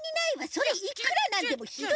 それはいくらなんでもひどすぎるわ。